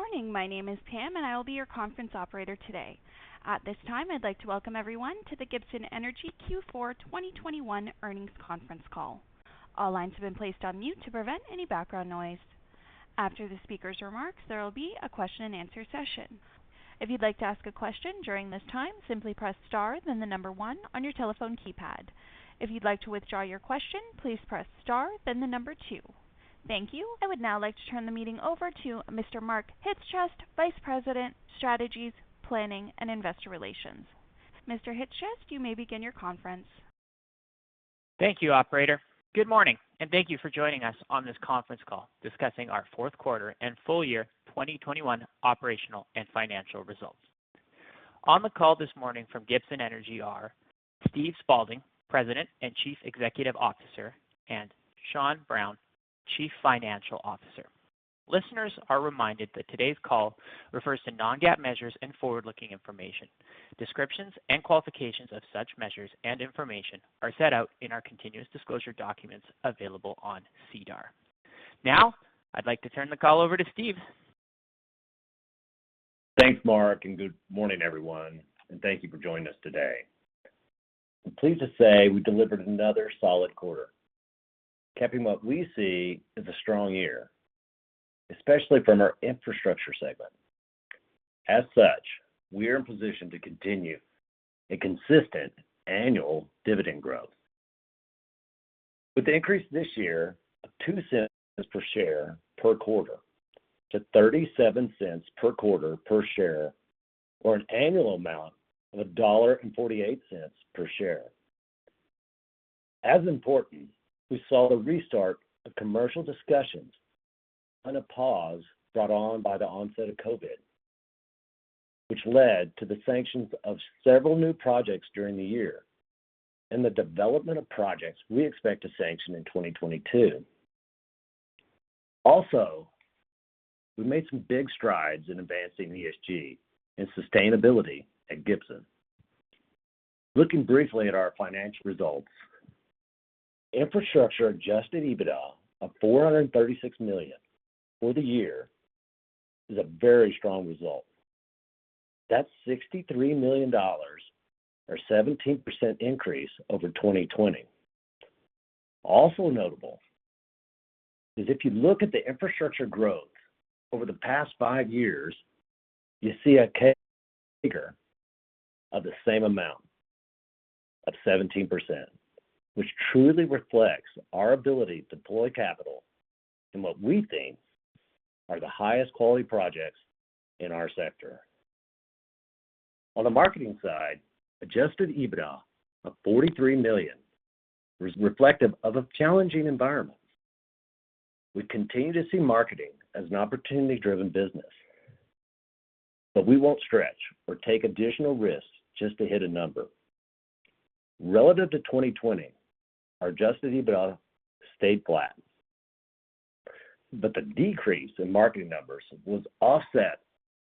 Good morning. My name is Pam, and I will be your conference operator today. At this time, I'd like to welcome everyone to the Gibson Energy Q4 2021 earnings conference call. All lines have been placed on mute to prevent any background noise. After the speaker's remarks, there will be a question-and-answer session. If you'd like to ask a question during this time, simply press star then the number one on your telephone keypad. If you'd like to withdraw your question, please press star then the number two. Thank you. I would now like to turn the meeting over to Mr. Mark Chyc-Cies, Vice President, Strategy, Planning and Investor Relations. Mr. Chyc-Cies, you may begin. Thank you, operator. Good morning, and thank you for joining us on this conference call discussing our fourth quarter and full year 2021 operational and financial results. On the call this morning from Gibson Energy are Steve Spaulding, President and Chief Executive Officer, and Sean Brown, Chief Financial Officer. Listeners are reminded that today's call refers to non-GAAP measures and forward-looking information. Descriptions and qualifications of such measures and information are set out in our continuous disclosure documents available on SEDAR. Now, I'd like to turn the call over to Steve. Thanks, Mark, and good morning, everyone, and thank you for joining us today. I'm pleased to say we delivered another solid quarter, capping what we see as a strong year, especially from our infrastructure segment. We are in position to continue a consistent annual dividend growth with the increase this year of 0.02 per share per quarter to 0.37 per share per quarter or an annual amount of 1.48 dollar per share. We saw the restart of commercial discussions on a pause brought on by the onset of COVID, which led to the sanctions of several new projects during the year and the development of projects we expect to sanction in 2022. We made some big strides in advancing ESG and Sustainability at Gibson. Looking briefly at our financial results, infrastructure adjusted EBITDA of 436 million for the year is a very strong result. That's 63 million dollars or 17% increase over 2020. Also notable is if you look at the infrastructure growth over the past five years, you see a CAGR of the same amount of 17%, which truly reflects our ability to deploy capital in what we think are the highest quality projects in our sector. On the Marketing side, adjusted EBITDA of 43 million was reflective of a challenging environment. We continue to see marketing as an opportunity-driven business, but we won't stretch or take additional risks just to hit a number. Relative to 2020, our adjusted EBITDA stayed flat, but the decrease in marketing numbers was offset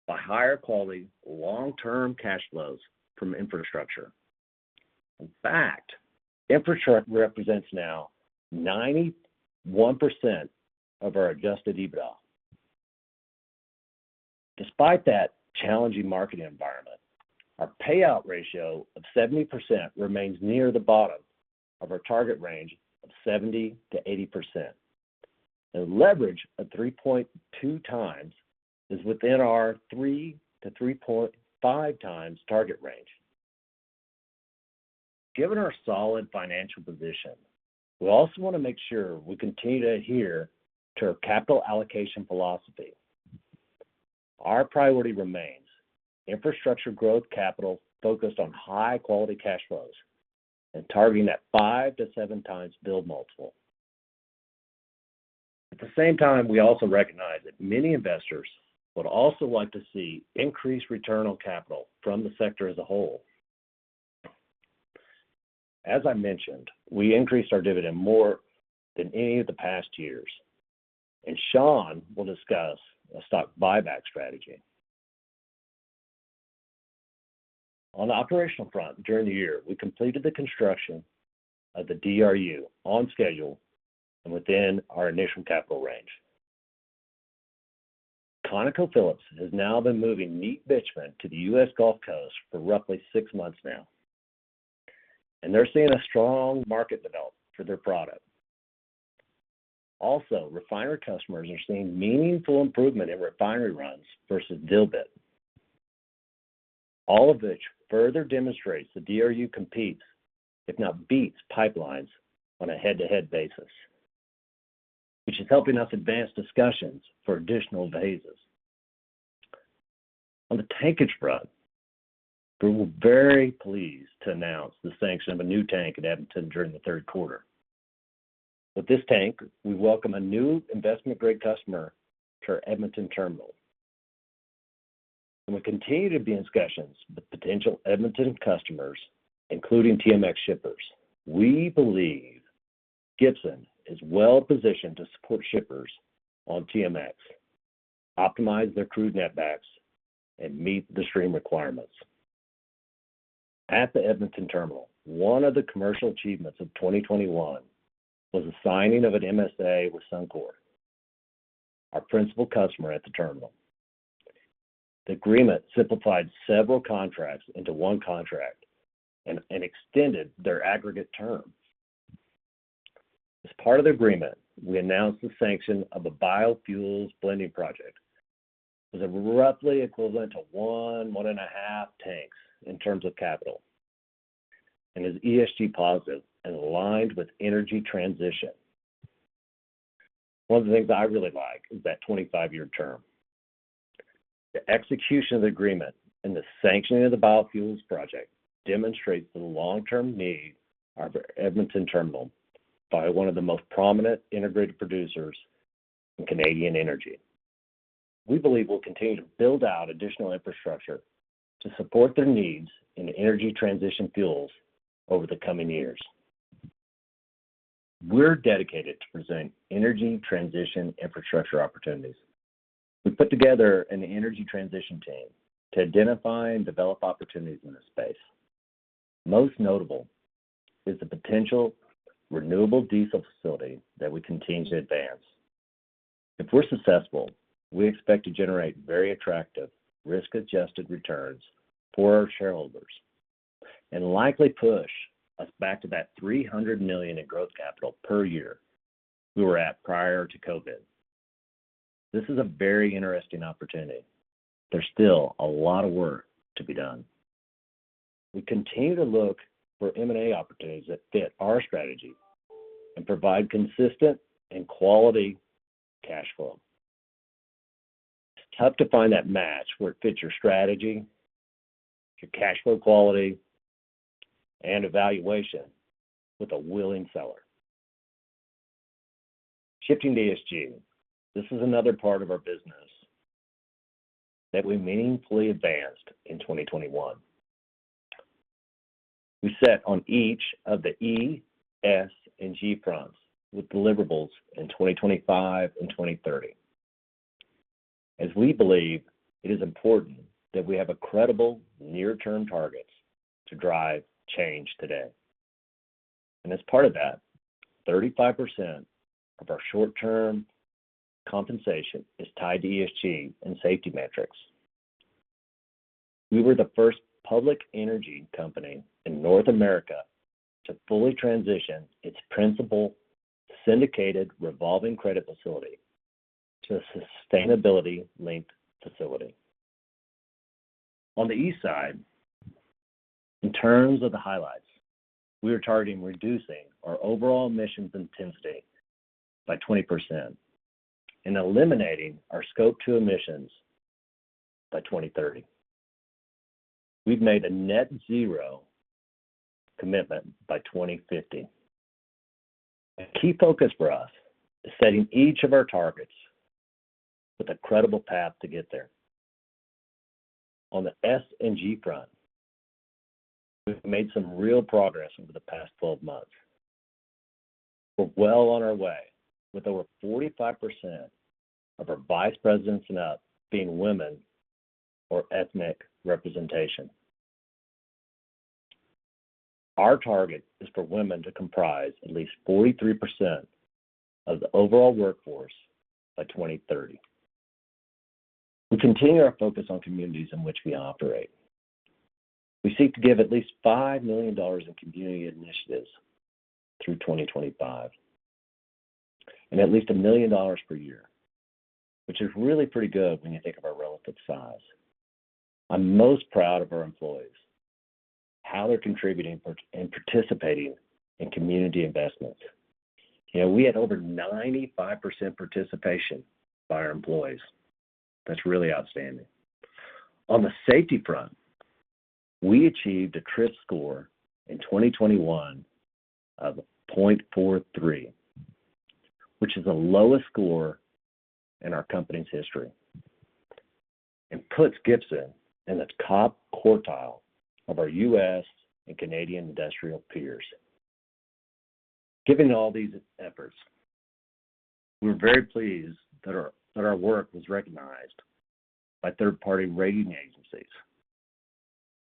by higher quality long-term cash flows from infrastructure. In fact, infrastructure represents now 91% of our adjusted EBITDA. Despite that challenging marketing environment, our payout ratio of 70% remains near the bottom of our target range of 70%-80%. The leverage of 3.2x is within our 3x-3.5x target range. Given our solid financial position, we also wanna make sure we continue to adhere to our capital allocation philosophy. Our priority remains infrastructure growth capital focused on high-quality cash flows and targeting that 5x-7x EBITDA multiple. At the same time, we also recognize that many investors would also like to see increased return on capital from the sector as a whole. As I mentioned, we increased our dividend more than any of the past years, and Sean will discuss a stock buyback strategy. On the operational front during the year, we completed the construction of the DRU on schedule and within our initial capital range. ConocoPhillips has now been moving neat bitumen to the U.S. Gulf Coast for roughly six months now, and they're seeing a strong market development for their product. Also, refinery customers are seeing meaningful improvement in refinery runs versus DRUbit. All of which further demonstrates the DRU competes, if not beats pipelines on a head-to-head basis, which is helping us advance discussions for additional phases. On the tankage front, we were very pleased to announce the sanction of a new tank in Edmonton during the third quarter. With this tank, we welcome a new investment-grade customer to our Edmonton Terminal. We continue to be in discussions with potential Edmonton customers, including TMX shippers. We believe Gibson is well-positioned to support shippers on TMX, optimize their crude netbacks, and meet the stream requirements. At the Edmonton Terminal, one of the commercial achievements of 2021 was the signing of an MSA with Suncor, our principal customer at the terminal. The agreement simplified several contracts into one contract and extended their aggregate term. As part of the agreement, we announced the sanction of a Biofuels Blending Project. It was roughly equivalent to 1 and 1.5 tanks in terms of capital, and is ESG positive and aligned with Energy Transition. One of the things I really like is that 25-year term. The execution of the agreement and the sanctioning of the biofuels project demonstrates the long-term need of our Edmonton Terminal by one of the most prominent integrated producers in Canadian Energy. We believe we'll continue to build out additional infrastructure to support their needs in Energy Transition fuels over the coming years. We're dedicated to presenting Energy Transition infrastructure opportunities. We put together an Energy Transition team to identify and develop opportunities in this space. Most notable is the potential renewable diesel facility that we continue to advance. If we're successful, we expect to generate very attractive risk-adjusted returns for our shareholders and likely push us back to that 300 million in growth capital per year we were at prior to COVID. This is a very interesting opportunity. There's still a lot of work to be done. We continue to look for M&A opportunities that fit our strategy and provide consistent and quality cash flow. It's tough to find that match where it fits your strategy, your cash flow quality, and evaluation with a willing seller. Shifting to ESG, this is another part of our business that we meaningfully advanced in 2021. We set on each of the E, S, and G prongs with deliverables in 2025 and 2030, as we believe it is important that we have a credible near-term targets to drive change today. As part of that, 35% of our short-term compensation is tied to ESG and safety metrics. We were the first public energy company in North America to fully transition its principal syndicated revolving credit facility to a sustainability-linked facility. On the E side, in terms of the highlights, we are targeting reducing our overall emissions intensity by 20% and eliminating our scope two emissions by 2030. We've made a Net Zero commitment by 2050. A key focus for us is setting each of our targets with a credible path to get there. On the S and G front, we've made some real progress over the past 12 months. We're well on our way with over 45% of our vice presidents and up being women or ethnic representation. Our target is for women to comprise at least 43% of the overall workforce by 2030. We continue our focus on communities in which we operate. We seek to give at least 5 million dollars in community initiatives through 2025 and at least 1 million dollars per year, which is really pretty good when you think of our relative size. I'm most proud of our employees, how they're contributing in participating in community investments. You know, we had over 95% participation by our employees. That's really outstanding. On the safety front, we achieved a TRIF score in 2021 of 0.43, which is the lowest score in our company's history, and puts Gibson in the top quartile of our U.S. and Canadian industrial peers. Given all these efforts, we're very pleased that our work was recognized by third-party rating agencies,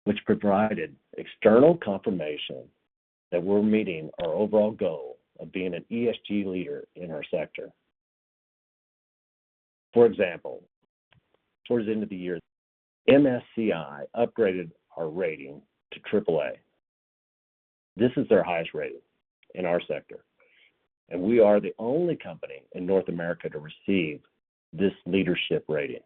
which provided external confirmation that we're meeting our overall goal of being an ESG leader in our sector. For example, towards the end of the year, MSCI upgraded our rating to AAA. This is their highest rating in our sector, and we are the only company in North America to receive this leadership rating.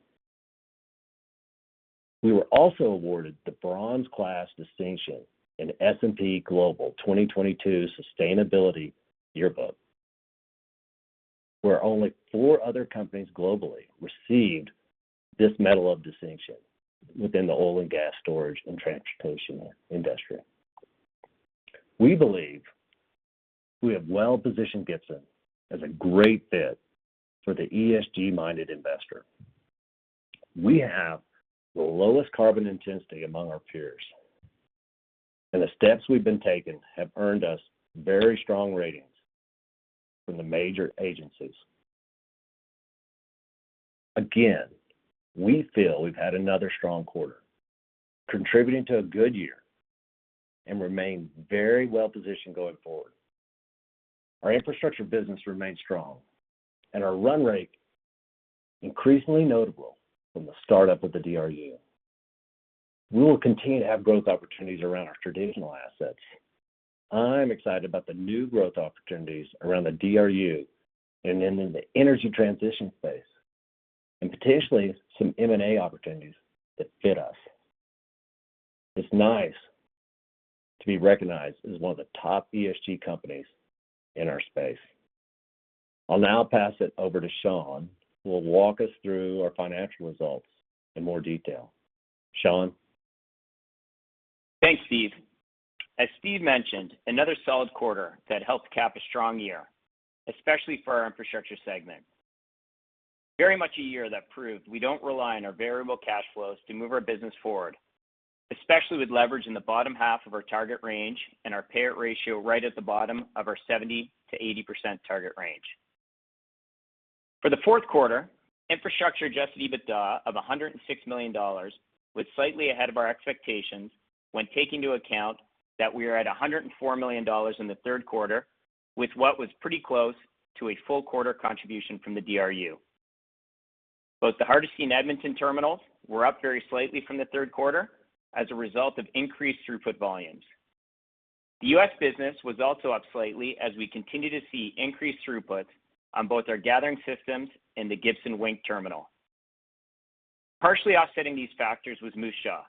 We were also awarded the Bronze Class Distinction in S&P Global 2022 Sustainability Yearbook, where only four other companies globally received this medal of distinction within the Oil & Gas Storage and Transportation industry. We believe we have well-positioned Gibson as a great fit for the ESG-minded investor. We have the lowest carbon intensity among our peers, and the steps we've been taking have earned us very strong ratings from the major agencies. Again, we feel we've had another strong quarter, contributing to a good year and remain very well positioned going forward. Our infrastructure business remains strong and our run rate increasingly notable from the startup of the DRU. We will continue to have growth opportunities around our traditional assets. I'm excited about the new growth opportunities around the DRU and in the Energy Transition space, and potentially some M&A opportunities that fit us. It's nice to be recognized as one of the top ESG companies in our space. I'll now pass it over to Sean, who will walk us through our financial results in more detail. Sean? Thanks, Steve. As Steve mentioned, another solid quarter that helped cap a strong year, especially for our Infrastructure segment. Very much a year that proved we don't rely on our variable cash flows to move our business forward, especially with leverage in the bottom half of our target range and our payout ratio right at the bottom of our 70%-80% target range. For the fourth quarter, Infrastructure adjusted EBITDA of 106 million dollars was slightly ahead of our expectations when taking into account that we are at 104 million dollars in the third quarter with what was pretty close to a full quarter contribution from the DRU. Both the Hardisty and Edmonton Terminals were up very slightly from the third quarter as a result of increased throughput volumes. The U.S. business was also up slightly as we continue to see increased throughput on both our gathering systems and the Gibson Wink Terminal. Partially offsetting these factors was Moose Jaw,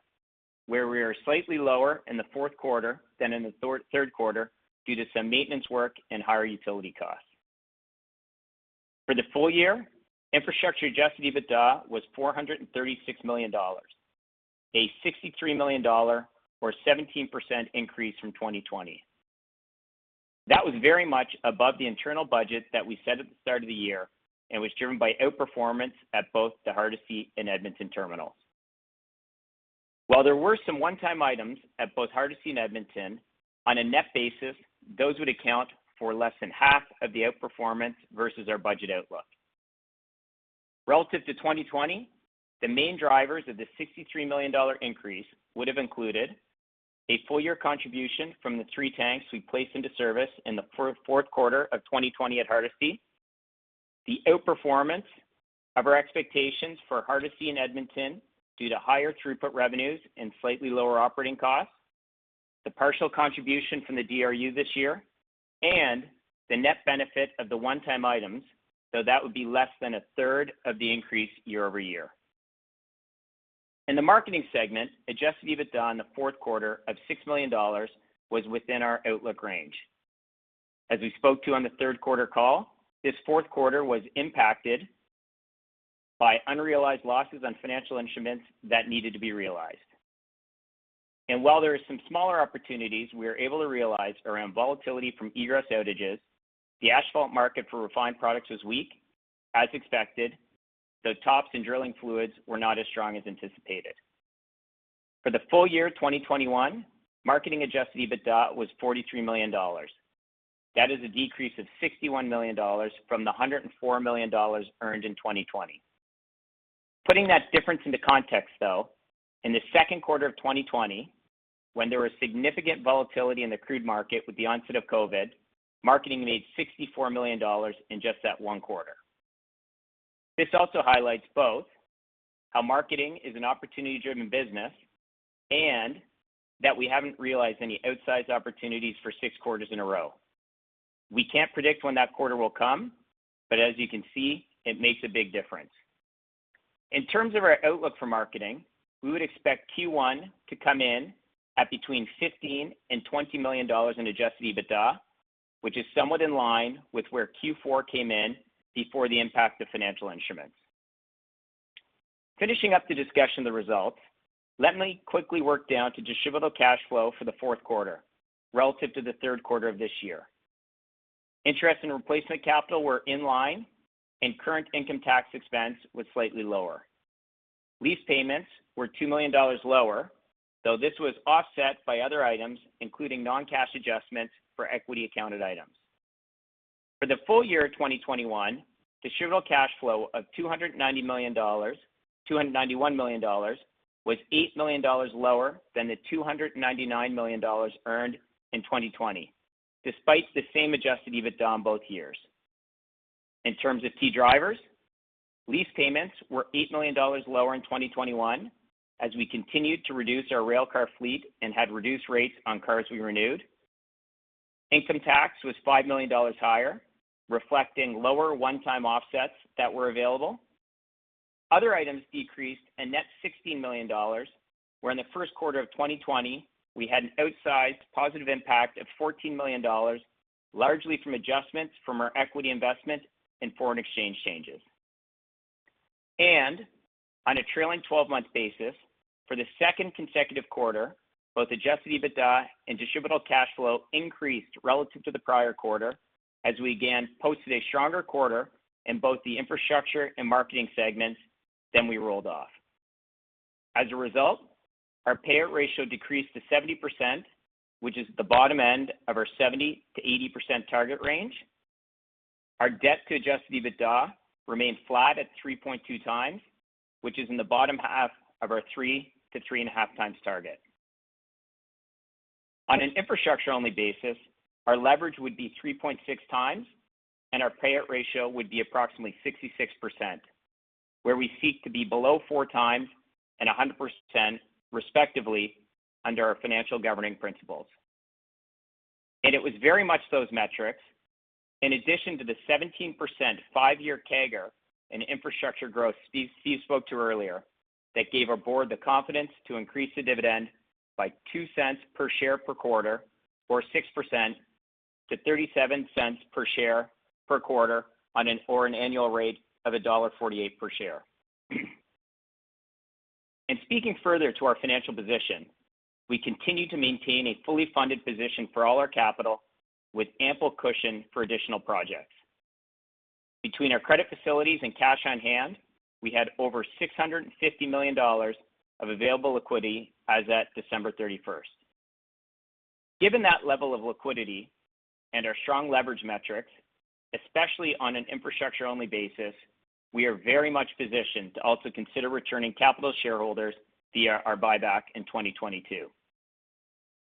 where we are slightly lower in the fourth quarter than in the third quarter due to some maintenance work and higher utility costs. For the full year, infrastructure adjusted EBITDA was 436 million dollars, a 63 million dollar or 17% increase from 2020. That was very much above the internal budget that we set at the start of the year and was driven by outperformance at both the Hardisty and Edmonton Terminals. While there were some one-time items at both Hardisty and Edmonton, on a net basis, those would account for less than half of the outperformance versus our budget outlook. Relative to 2020, the main drivers of the 63 million dollar increase would have included a full year contribution from the three tanks we placed into service in the fourth quarter of 2020 at Hardisty, the outperformance of our expectations for Hardisty and Edmonton due to higher throughput revenues and slightly lower operating costs, the partial contribution from the DRU this year, and the net benefit of the one-time items, so that would be less than a third of the increase year-over-year. In the Marketing segment, adjusted EBITDA in the fourth quarter of 6 million dollars was within our outlook range. As we spoke to on the third quarter call, this fourth quarter was impacted by unrealized losses on financial instruments that needed to be realized. While there are some smaller opportunities we are able to realize around volatility from egress outages, the asphalt market for refined products was weak, as expected, so tops and drilling fluids were not as strong as anticipated. For the full year 2021, marketing adjusted EBITDA was 43 million dollars. That is a decrease of 61 million dollars from the 104 million dollars earned in 2020. Putting that difference into context, though, in the second quarter of 2020, when there was significant volatility in the crude market with the onset of COVID, marketing made 64 million dollars in just that one quarter. This also highlights both how marketing is an opportunity-driven business and that we haven't realized any outsized opportunities for six quarters in a row. We can't predict when that quarter will come, but as you can see, it makes a big difference. In terms of our outlook for marketing, we would expect Q1 to come in at between 15 million and 20 million dollars in adjusted EBITDA, which is somewhat in line with where Q4 came in before the impact of financial instruments. Finishing up the discussion of the results, let me quickly work down to distributable cash flow for the fourth quarter relative to the third quarter of this year. Interest and replacement capital were in line, and current income tax expense was slightly lower. Lease payments were 2 million dollars lower, though this was offset by other items, including non-cash adjustments for equity accounted items. For the full year 2021, distributable cash flow of 290 million dollars, 291 million dollars was 8 million dollars lower than the 299 million dollars earned in 2020, despite the same adjusted EBITDA on both years. In terms of key drivers, lease payments were 8 million dollars lower in 2021 as we continued to reduce our railcar fleet and had reduced rates on cars we renewed. Income tax was 5 million dollars higher, reflecting lower one-time offsets that were available. Other items decreased a net 16 million dollars, where in the first quarter of 2020, we had an outsized positive impact of 14 million dollars, largely from adjustments from our equity investment and foreign exchange changes. On a trailing 12-month tbasis, for the second consecutive quarter, both adjusted EBITDA and distributable cash flow increased relative to the prior quarter as we again posted a stronger quarter in both the infrastructure and Marketing segments than we rolled off. As a result, our payout ratio decreased to 70%, which is the bottom end of our 70%-80% target range. Our debt to adjusted EBITDA remains flat at 3.2x, which is in the bottom half of our 3x-3.5x target. On an infrastructure-only basis, our leverage would be 3.6x, and our payout ratio would be approximately 66%, where we seek to be below 4x and 100% respectively under our financial governing principles. It was very much those metrics, in addition to the 17% five-year CAGR and infrastructure growth Steve spoke to earlier, that gave our board the confidence to increase the dividend by 0.02 per share per quarter or 6% to 0.37 per share per quarter for an annual rate of dollar 1.48 per share. Speaking further to our financial position, we continue to maintain a fully funded position for all our capital with ample cushion for additional projects. Between our credit facilities and cash on hand, we had over 650 million dollars of available liquidity as at December 31st. Given that level of liquidity and our strong leverage metrics, especially on an infrastructure-only basis, we are very much positioned to also consider returning capital to shareholders via our buyback in 2022.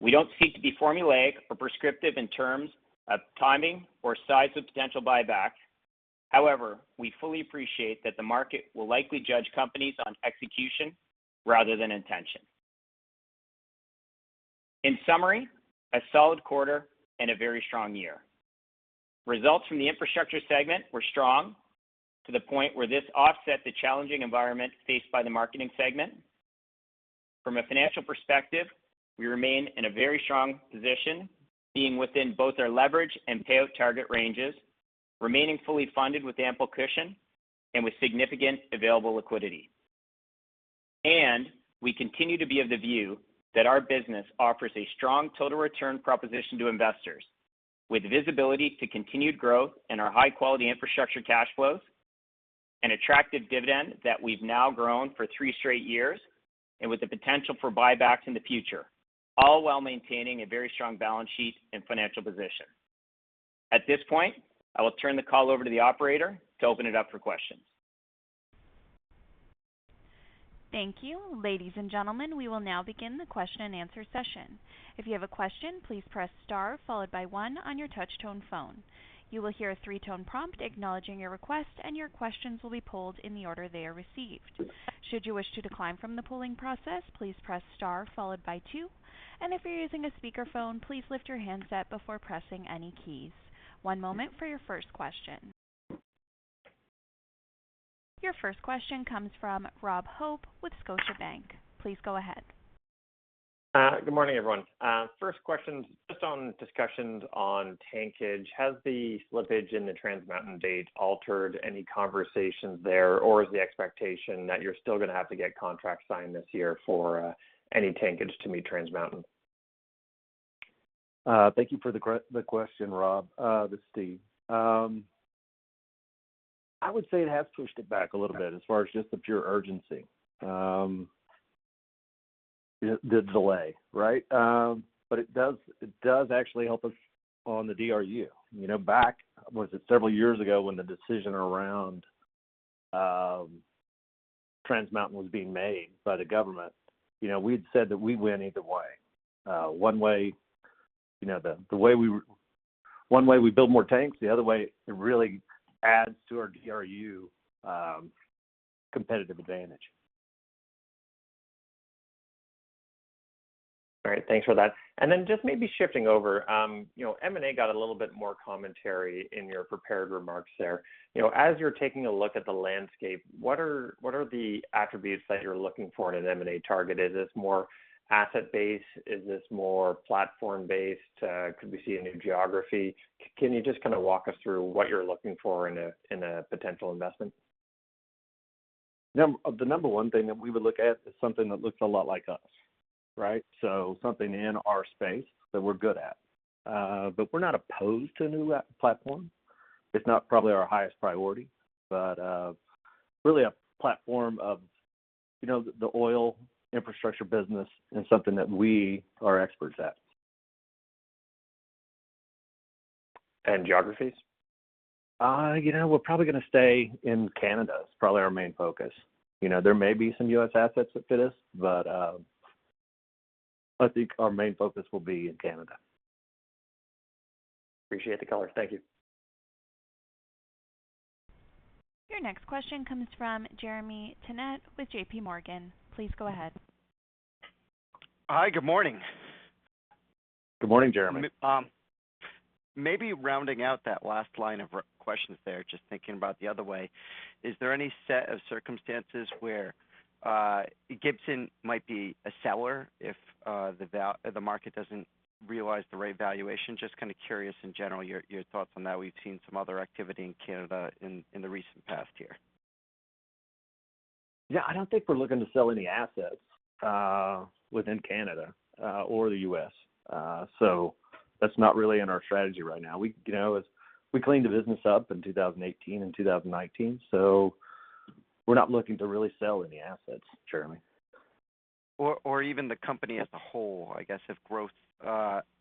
We don't seek to be formulaic or prescriptive in terms of timing or size of potential buyback. However, we fully appreciate that the market will likely judge companies on execution rather than intention. In summary, a solid quarter and a very strong year. Results from the Infrastructure segment were strong to the point where this offset the challenging environment faced by the Marketing segment. From a financial perspective, we remain in a very strong position, being within both our leverage and payout target ranges, remaining fully funded with ample cushion and with significant available liquidity. We continue to be of the view that our business offers a strong total return proposition to investors with visibility to continued growth in our high-quality infrastructure cash flows and attractive dividend that we've now grown for three straight years and with the potential for buybacks in the future, all while maintaining a very strong balance sheet and financial position. At this point, I will turn the call over to the operator to open it up for questions. Thank you. Ladies and gentlemen, we will now begin the question-and-answer session. If you have a question, please press star followed by one on your touch tone phone. You will hear a three-tone prompt acknowledging your request, and your questions will be pulled in the order they are received. Should you wish to decline from the polling process, please press star followed by two. If you're using a speakerphone, please lift your handset before pressing any keys. One moment for your first question. Your first question comes from Rob Hope with Scotiabank. Please go ahead. Good morning, everyone. First question, just on discussions on tankage. Has the slippage in the Trans Mountain date altered any conversations there, or is the expectation that you're still gonna have to get contracts signed this year for any tankage to meet Trans Mountain? Thank you for the question, Rob. This is Steve. I would say it has pushed it back a little bit as far as just the pure urgency, the delay, right? It does actually help us on the DRU. You know, was it several years ago when the decision around Trans Mountain was being made by the government? You know, we'd said that we win either way. One way we build more tanks, the other way it really adds to our DRU competitive advantage. All right. Thanks for that. Just maybe shifting over, you know, M&A got a little bit more commentary in your prepared remarks there. You know, as you're taking a look at the landscape, what are the attributes that you're looking for in an M&A target? Is this more asset-based? Is this more platform-based? Could we see a new geography? Can you just kind of walk us through what you're looking for in a potential investment? The number one thing that we would look at is something that looks a lot like us, right? Something in our space that we're good at. But we're not opposed to a new platform. It's not probably our highest priority, but really a platform of, you know, the oil infrastructure business and something that we are experts at. Geographies? You know, we're probably gonna stay in Canada. It's probably our main focus. You know, there may be some U.S. assets that fit us, but I think our main focus will be in Canada. Appreciate the color. Thank you. Your next question comes from Jeremy Tonet with JPMorgan. Please go ahead. Hi. Good morning. Good morning, Jeremy. Maybe rounding out that last line of our questions there, just thinking about the other way. Is there any set of circumstances where Gibson might be a seller if the market doesn't realize the right valuation? Just kind of curious in general your thoughts on that. We've seen some other activity in Canada in the recent past year. Yeah. I don't think we're looking to sell any assets within Canada or the U.S. That's not really in our strategy right now. We, you know, we cleaned the business up in 2018 and 2019, so we're not looking to really sell any assets, Jeremy. Even the company as a whole, I guess, if growth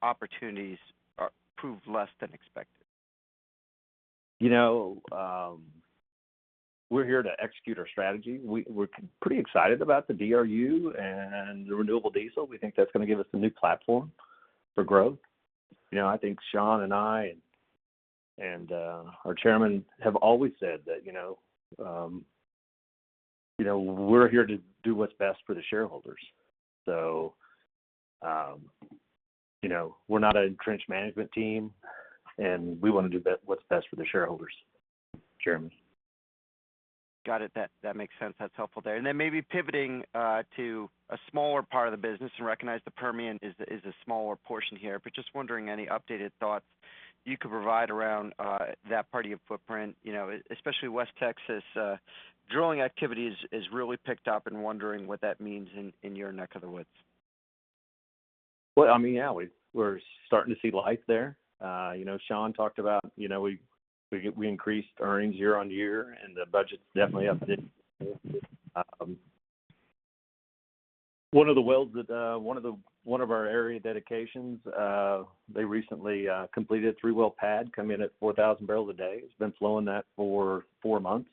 opportunities prove less than expected. You know, we're here to execute our strategy. We're pretty excited about the DRU and the renewable diesel. We think that's gonna give us a new platform for growth. You know, I think Sean and I and our Chairman have always said that, you know, we're here to do what's best for the shareholders. You know, we're not an entrenched management team, and we wanna do what's best for the shareholders, Jeremy. Got it. That makes sense. That's helpful there. Then maybe pivoting to a smaller part of the business and recognize the Permian is a smaller portion here, but just wondering any updated thoughts you could provide around that part of your footprint. You know, especially West Texas drilling activity is really picked up and wondering what that means in your neck of the woods. Well, I mean, yeah, we're starting to see life there. You know, Sean talked about, you know, we increased earnings year on year, and the budget's definitely updated. One of the wells that one of our area dedications, they recently completed three well pad coming in at 4,000 barrels a day. It's been flowing that for four months,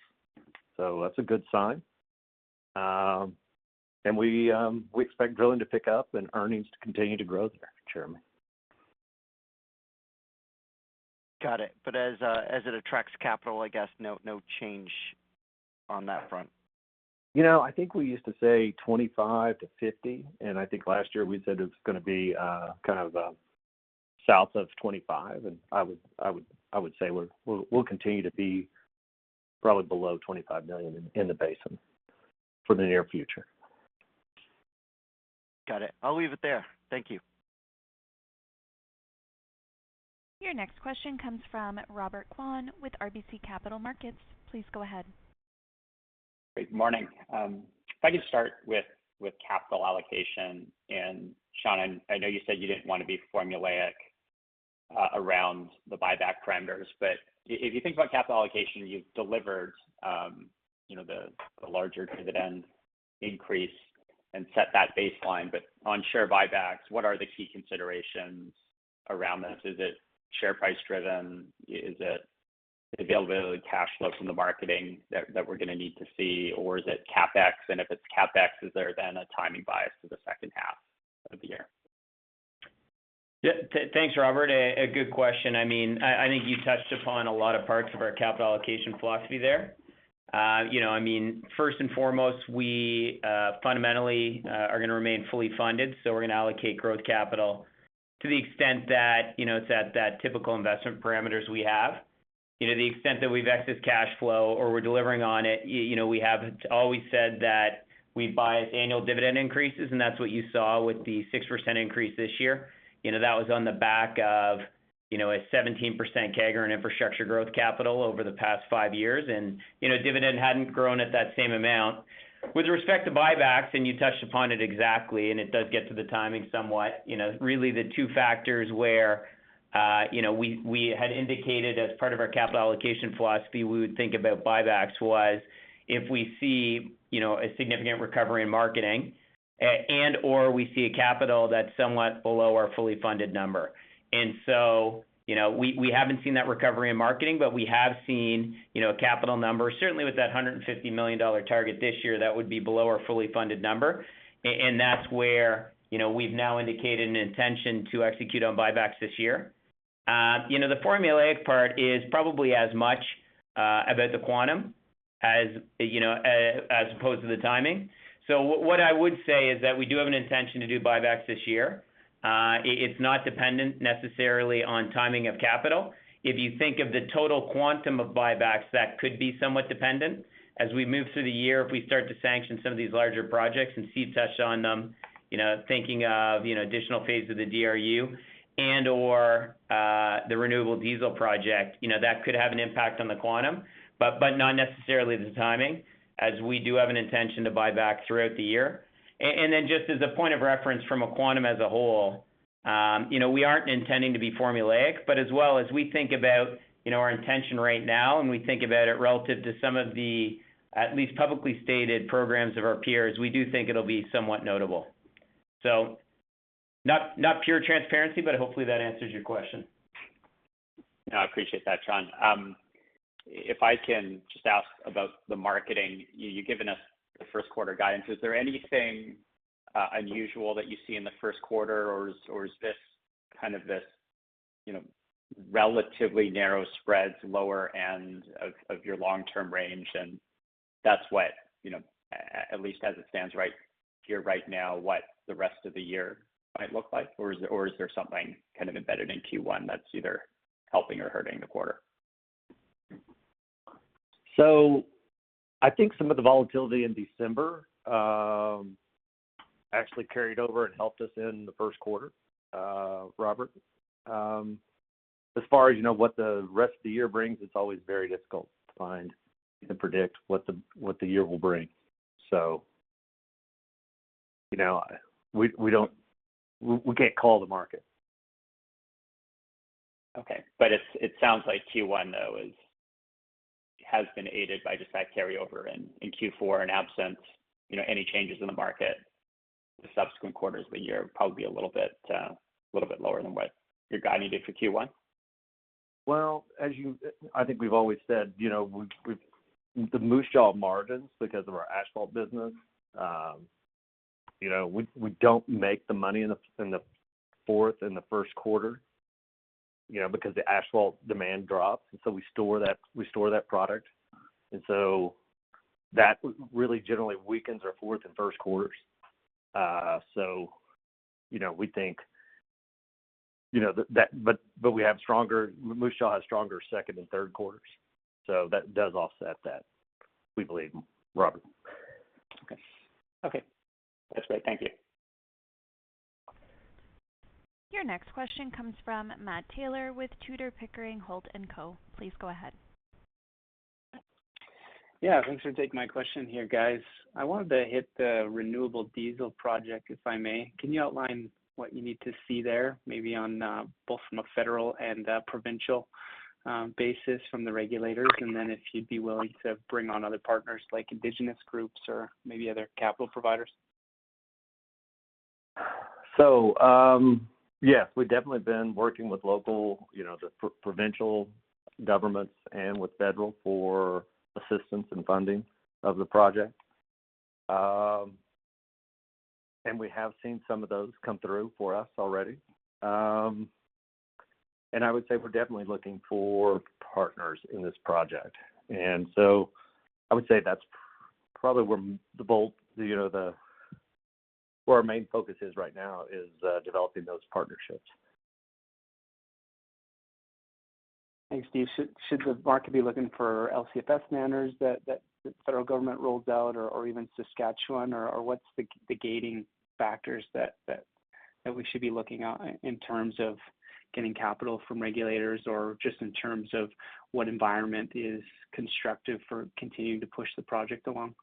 so that's a good sign. We expect drilling to pick up and earnings to continue to grow there, Jeremy. Got it. As it attracts capital, I guess, no change on that front. You know, I think we used to say 25 million-50million, and I think last year we said it was gonna be kind of south of 25 million, and I would say we'll continue to be probably below 25 million in the basin for the near future. Got it. I'll leave it there. Thank you. Your next question comes from Robert Kwan with RBC Capital Markets. Please go ahead. Good morning. If I could start with capital allocation, and Sean, I know you said you didn't wanna be formulaic around the buyback parameters. If you think about capital allocation, you've delivered, you know, the larger dividend increase and set that baseline. On share buybacks, what are the key considerations around this? Is it share price driven? Is it the availability of cash flow from the marketing that we're gonna need to see, or is it CapEx? And if it's CapEx, is there then a timing bias to the second half of the year? Yeah. Thanks, Robert. Good question. I mean, I think you touched upon a lot of parts of our capital allocation philosophy there. You know, I mean, first and foremost, we fundamentally are gonna remain fully funded, so we're gonna allocate growth capital to the extent that, you know, it's that typical investment parameters we have. You know, the extent that we've excess cash flow or we're delivering on it, you know, we have always said that we'd buy annual dividend increases, and that's what you saw with the 6% increase this year. You know, that was on the back of, you know, a 17% CAGR in infrastructure growth capital over the past five years. You know, dividend hadn't grown at that same amount. With respect to buybacks, you touched upon it exactly, and it does get to the timing somewhat. You know, really the two factors where we had indicated as part of our capital allocation philosophy we would think about buybacks was if we see a significant recovery in marketing and/or we see a capex that's somewhat below our fully funded number. You know, we haven't seen that recovery in marketing, but we have seen a capex number. Certainly with that 150 million dollar target this year, that would be below our fully funded number. That's where, you know, we've now indicated an intention to execute on buybacks this year. You know, the formulaic part is probably as much about the quantum as opposed to the timing. What I would say is that we do have an intention to do buybacks this year. It's not dependent necessarily on timing of capital. If you think of the total quantum of buybacks, that could be somewhat dependent. As we move through the year, if we start to sanction some of these larger projects, and Steve touched on them, you know, thinking of, you know, additional phase of the DRU and/or, the renewable diesel project, you know, that could have an impact on the quantum, but not necessarily the timing, as we do have an intention to buy back throughout the year. Just as a point of reference from a quantum as a whole, you know, we aren't intending to be formulaic, but as well as we think about, you know, our intention right now and we think about it relative to some of the at least publicly stated programs of our peers, we do think it'll be somewhat notable. Not pure transparency, but hopefully that answers your question. No, I appreciate that, Sean. If I can just ask about the marketing. You've given us the first quarter guidance. Is there anything unusual that you see in the first quarter, or is this kind of, you know, relatively narrow spreads, lower end of your long-term range, and that's what, you know, at least as it stands right here right now, what the rest of the year might look like or is there something kind of embedded in Q1 that's either helping or hurting the quarter? I think some of the volatility in December actually carried over and helped us in the first quarter, Robert. As far as what the rest of the year brings, it's always very difficult to find and predict what the year will bring. You know, we can't call the market. Okay. It sounds like Q1, though, has been aided by just that carryover in Q4 in absence, you know, any changes in the market. The subsequent quarters of the year are probably a little bit lower than what you're guiding it for Q1. I think we've always said, you know, we've the Moose Jaw margins because of our asphalt business, you know, we don't make the money in the fourth and the first quarter, you know, because the asphalt demand drops, and so we store that product. That really generally weakens our fourth and first quarters. We think that Moose Jaw has stronger second and third quarters, so that does offset that, we believe, Robert. Okay. That's great. Thank you. Your next question comes from Matthew Taylor with Tudor, Pickering, Holt & Co. Please go ahead. Yeah. Thanks for taking my question here, guys. I wanted to hit the renewable diesel project, if I may. Can you outline what you need to see there, maybe on both from a federal and a provincial basis from the regulators? If you'd be willing to bring on other partners like Indigenous groups or maybe other capital providers. Yes, we've definitely been working with local, you know, the provincial governments and with federal for assistance and funding of the project. We have seen some of those come through for us already. I would say we're definitely looking for partners in this project. I would say that's probably where the bulk, you know, where our main focus is right now, developing those partnerships. Thanks, Steve. Should the market be looking for LCFS mandates that the federal government rolls out or even Saskatchewan or what's the gating factors that we should be looking at in terms of getting capital from regulators or just in terms of what environment is constructive for continuing to push the project along?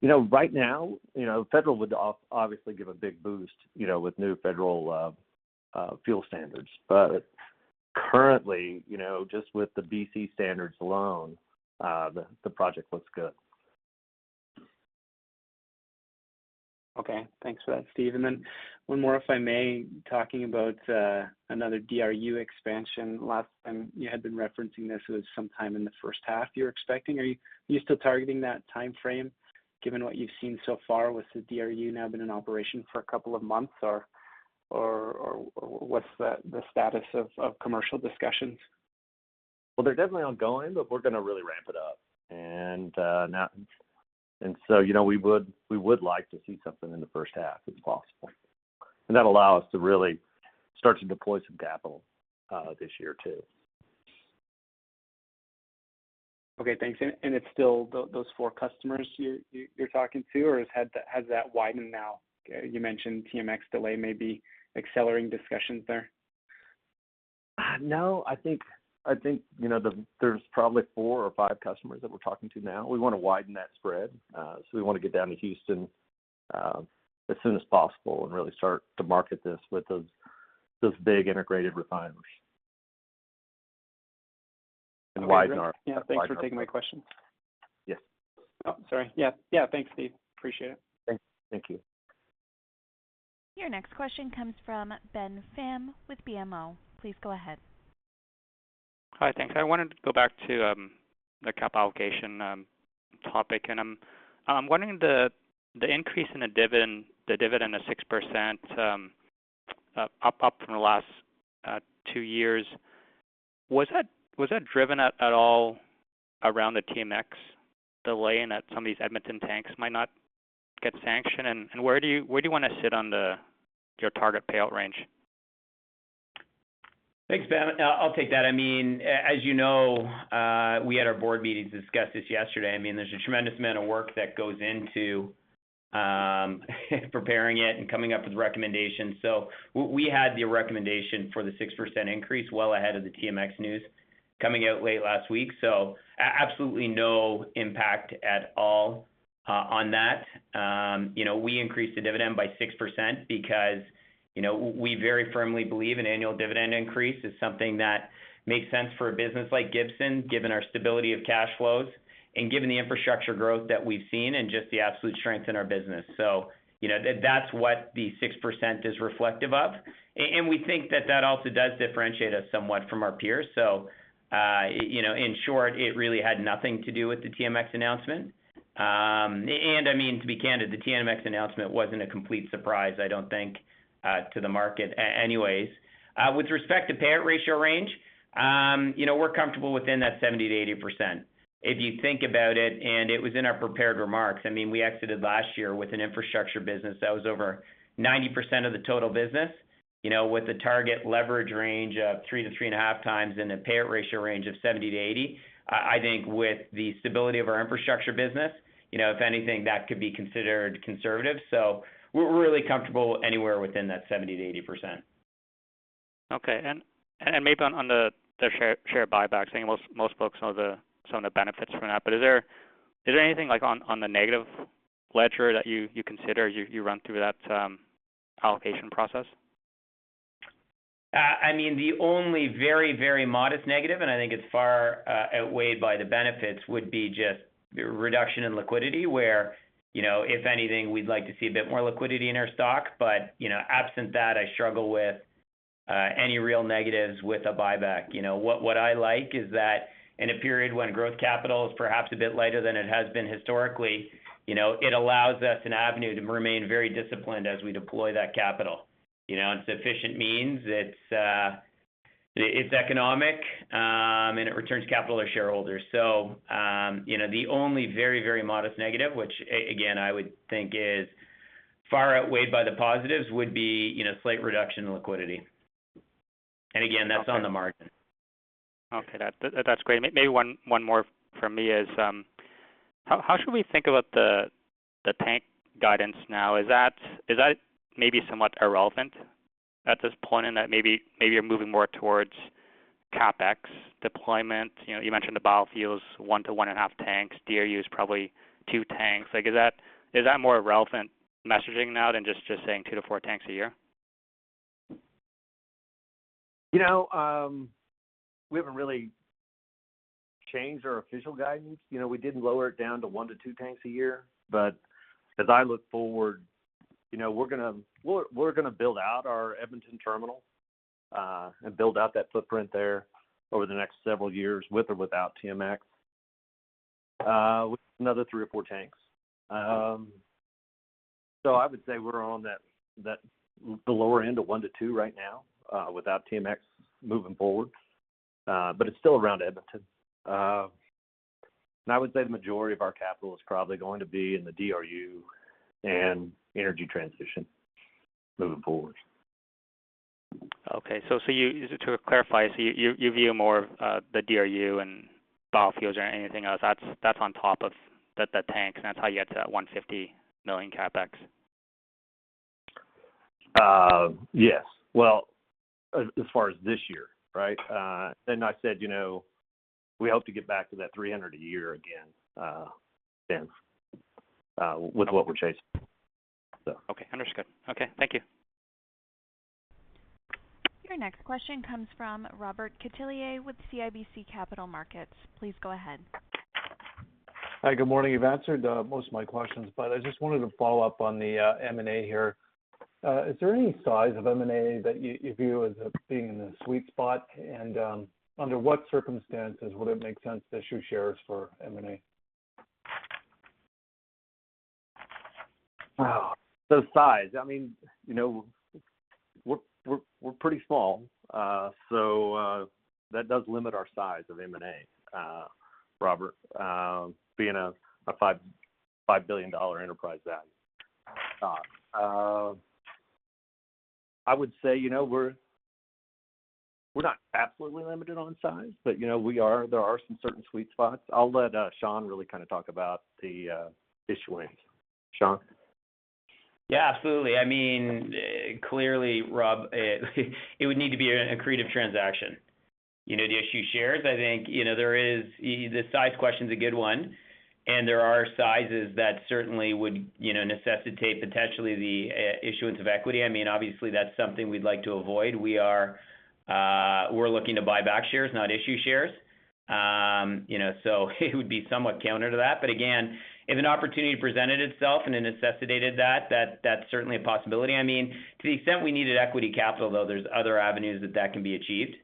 You know, right now, you know, federal would obviously give a big boost, you know, with new federal fuel standards. Currently, you know, just with the BC standards alone, the project looks good. Okay. Thanks for that, Steve. Then one more, if I may, talking about another DRU expansion. Last time you had been referencing this was sometime in the first half you're expecting. Are you still targeting that timeframe given what you've seen so far with the DRU now been in operation for a couple of months or what's the status of commercial discussions? Well, they're definitely ongoing, but we're gonna really ramp it up now. You know, we would like to see something in the first half if possible. That'll allow us to really start to deploy some capital this year too. Okay. Thanks. It's still those four customers you're talking to or has that widened now? You mentioned TMX delay may be accelerating discussions there. No. I think, you know, there's probably four or five customers that we're talking to now. We wanna widen that spread. We wanna get down to Houston as soon as possible and really start to market this with those big integrated refineries and widen our- Okay. Great. Yeah. Thanks for taking my question. Yes. Oh, sorry. Yeah. Yeah. Thanks, Steve. Appreciate it. Thank you. Your next question comes from Ben Pham with BMO. Please go ahead. Hi. Thanks. I wanted to go back to the capital allocation topic. I'm wondering if the increase in the dividend of 6% pop-up from the last two years was that driven at all around the TMX delay and that some of these Edmonton tanks might not get sanctioned? Where do you wanna sit on your target payout range? Thanks, Ben. I'll take that. I mean, as you know, we had our Board Meeting to discuss this yesterday. I mean, there's a tremendous amount of work that goes into preparing it and coming up with recommendations. We had the recommendation for the 6% increase well ahead of the TMX news coming out late last week. Absolutely no impact at all on that. You know, we increased the dividend by 6% because, you know, we very firmly believe an annual dividend increase is something that makes sense for a business like Gibson, given our stability of cash flows and given the infrastructure growth that we've seen and just the absolute strength in our business. You know, that's what the 6% is reflective of. And we think that that also does differentiate us somewhat from our peers. You know, in short, it really had nothing to do with the TMX announcement. I mean, to be candid, the TMX announcement wasn't a complete surprise, I don't think, to the market anyways. With respect to payout ratio range, you know, we're comfortable within that 70%-80%. If you think about it was in our prepared remarks, I mean, we exited last year with an infrastructure business that was over 90% of the total business. You know, with the target leverage range of 3x-3.5x and a payout ratio range of 70%-80%, I think with the stability of our infrastructure business, you know, if anything, that could be considered conservative. We're really comfortable anywhere within that 70%-80%. Okay. Maybe on the share buyback thing, most folks know some of the benefits from that. Is there anything like on the negative ledger that you consider you run through that allocation process? I mean, the only very, very modest negative, and I think it's far outweighed by the benefits, would be just the reduction in liquidity, where, you know, if anything, we'd like to see a bit more liquidity in our stock. You know, absent that, I struggle with any real negatives with a buyback. You know, what I like is that in a period when growth capital is perhaps a bit lighter than it has been historically, you know, it allows us an avenue to remain very disciplined as we deploy that capital. You know, it's efficient means. It's economic, and it returns capital to shareholders. You know, the only very, very modest negative, which again, I would think is far outweighed by the positives, would be, you know, slight reduction in liquidity. Again, that's on the margin. Okay. That's great. Maybe one more from me is how should we think about the tank guidance now? Is that maybe somewhat irrelevant at this point, in that maybe you're moving more towards CapEx deployment? You know, you mentioned the biofuels 1-1.5 tanks. DRU is probably two tanks. Like, is that more relevant messaging now than just saying two to four tanks a year? You know, we haven't really changed our official guidance. You know, we didn't lower it down to one to two tanks a year. As I look forward, you know, we're gonna build out our Edmonton Terminal, and build out that footprint there over the next several years with or without TMX, with another three or four tanks. I would say we're on the lower end of one to two right now, without TMX moving forward. It's still around Edmonton. I would say the majority of our capital is probably going to be in the DRU and Energy Transition moving forward. To clarify, you view more the DRU and biofuels or anything else that's on top of the tanks, and that's how you get to that 150 million CapEx. Yes. Well, as far as this year, right? I said, you know, we hope to get back to that 300 a year again, then, with what we're chasing. Okay. Understood. Okay. Thank you. Your next question comes from Robert Catellier with CIBC Capital Markets. Please go ahead. Hi. Good morning. You've answered most of my questions, but I just wanted to follow up on the M&A here. Is there any size of M&A that you view as being in the sweet spot? Under what circumstances would it make sense to issue shares for M&A? Size. I mean, you know, we're pretty small. That does limit our size of M&A, Robert, being a 5 billion dollar enterprise value stock. I would say, you know, we're not absolutely limited on size, but, you know, we are, there are some certain sweet spots. I'll let Sean really kind of talk about the issuance. Sean? Yeah, absolutely. I mean, clearly, Rob, it would need to be an accretive transaction. You know, to issue shares, I think, you know, there is. The size question is a good one, and there are sizes that certainly would, you know, necessitate potentially the issuance of equity. I mean, obviously that's something we'd like to avoid. We're looking to buy back shares, not issue shares. You know, so it would be somewhat counter to that. Again, if an opportunity presented itself and it necessitated that's certainly a possibility. I mean, to the extent we needed equity capital, though, there's other avenues that can be achieved.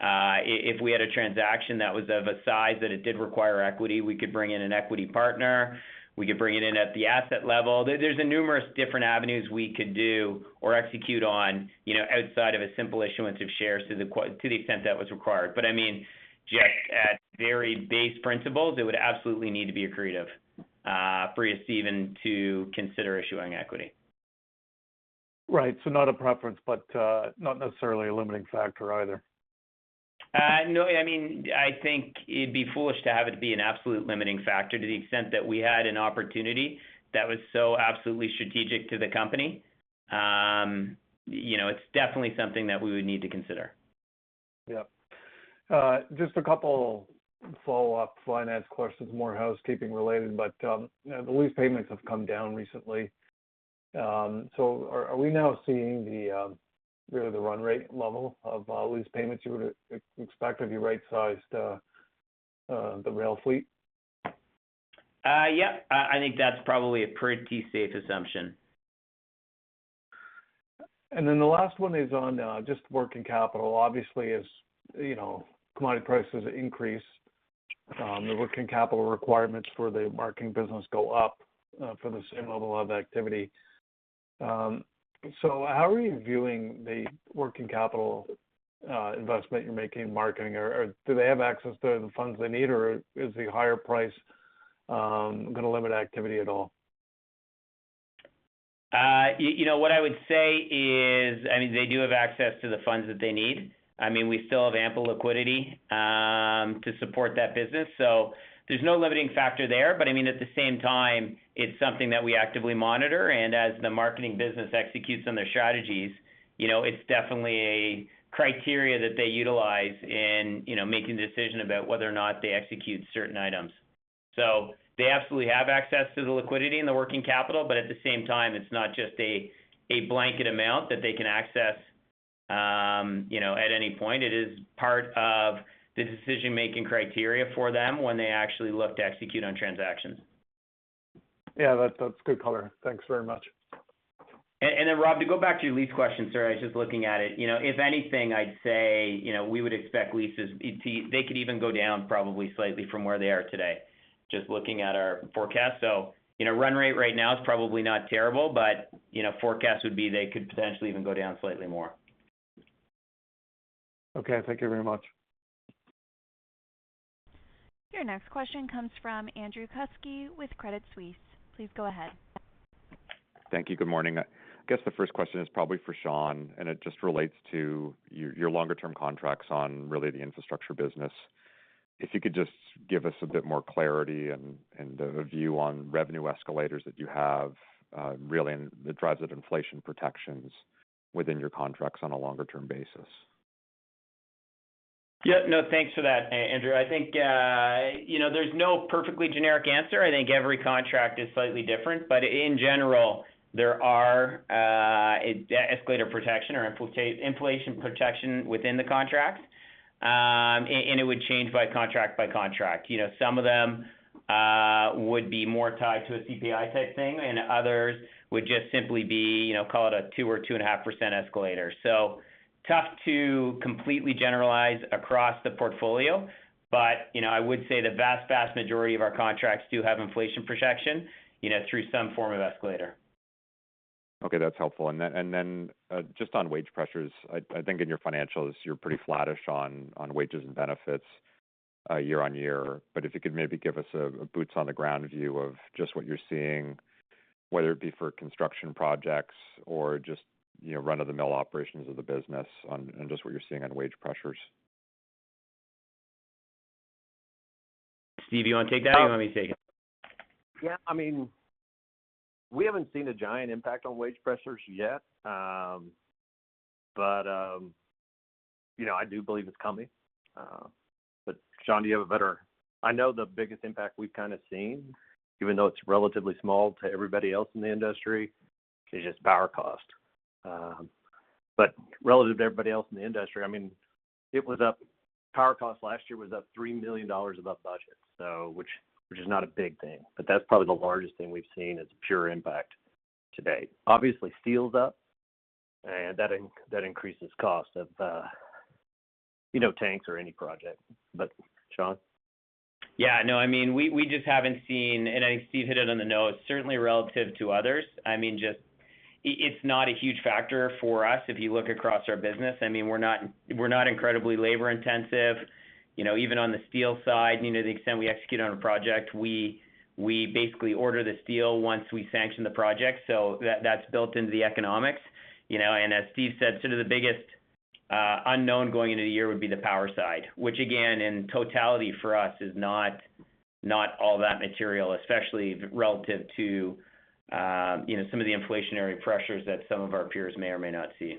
If we had a transaction that was of a size that it did require equity, we could bring in an equity partner. We could bring it in at the asset level. There's numerous different avenues we could do or execute on, you know, outside of a simple issuance of shares to the extent that was required. I mean, just at very base principles, it would absolutely need to be accretive for us even to consider issuing equity. Right. Not a preference, but, not necessarily a limiting factor either. No. I mean, I think it'd be foolish to have it be an absolute limiting factor to the extent that we had an opportunity that was so absolutely strategic to the company. You know, it's definitely something that we would need to consider. Yeah. Just a couple follow-up finance questions, more housekeeping related. The lease payments have come down recently. Are we now seeing the, you know, the run rate level of lease payments you would expect if you right-sized the rail fleet? Yeah. I think that's probably a pretty safe assumption. The last one is on just working capital. Obviously, as you know, commodity prices increase, the working capital requirements for the Marketing business go up for the same level of activity. How are you viewing the working capital investment you're making in marketing? Or do they have access to the funds they need, or is the higher price gonna limit activity at all? You know what I would say is, I mean, they do have access to the funds that they need. I mean, we still have ample liquidity to support that business. There's no limiting factor there. I mean, at the same time, it's something that we actively monitor, and as the Marketing business executes on their strategies, you know, it's definitely a criteria that they utilize in, you know, making the decision about whether or not they execute certain items. They absolutely have access to the liquidity and the working capital, but at the same time, it's not just a blanket amount that they can access, you know, at any point. It is part of the decision-making criteria for them when they actually look to execute on transactions. Yeah. That's good color. Thanks very much. Rob, to go back to your lease question, sorry, I was just looking at it. You know, if anything, I'd say, you know, we would expect leases. They could even go down probably slightly from where they are today, just looking at our forecast. You know, run rate right now is probably not terrible, but, you know, forecast would be they could potentially even go down slightly more. Okay. Thank you very much. Your next question comes from Andrew Kuske with Credit Suisse. Please go ahead. Thank you. Good morning. I guess the first question is probably for Sean, and it just relates to your longer term contracts on really the infrastructure business. If you could just give us a bit more clarity and a view on revenue escalators that you have really in the drivers of inflation protections within your contracts on a longer term basis. Yeah. No, thanks for that, Andrew. I think, you know, there's no perfectly generic answer. I think every contract is slightly different. In general, there are escalator protection or inflation protection within the contracts, and it would change by contract by contract. You know, some of them would be more tied to a CPI type thing, and others would just simply be, you know, call it a 2% or 2.5% escalator. Tough to completely generalize across the portfolio. I would say the vast majority of our contracts do have inflation protection, you know, through some form of escalator. Okay. That's helpful. Just on wage pressures, I think in your financials, you're pretty flattish on wages and benefits year on year. If you could maybe give us a boots on the ground view of just what you're seeing, whether it be for construction projects or just, you know, run-of-the-mill operations of the business and just what you're seeing on wage pressures. Steve, do you want to take that or you want me to take it? Yeah. I mean, we haven't seen a giant impact on wage pressures yet. You know, I do believe it's coming. Sean, do you have a better? I know the biggest impact we've kind of seen, even though it's relatively small to everybody else in the industry, is just power cost. Relative to everybody else in the industry, I mean, power cost last year was up 3 million dollars above budget, so which is not a big thing, but that's probably the largest thing we've seen as a pure impact to date. Obviously, steel's up, and that increases cost of you know, tanks or any project. Sean? Yeah. No, I mean, we just haven't seen, and I think Steve hit it on the note, certainly relative to others. I mean, just it's not a huge factor for us if you look across our business. I mean, we're not incredibly labor intensive. You know, even on the steel side, you know, the extent we execute on a project, we basically order the steel once we sanction the project. That's built into the economics, you know. As Steve said, sort of the biggest unknown going into the year would be the power side, which again, in totality for us is not all that material, especially relative to, you know, some of the inflationary pressures that some of our peers may or may not see.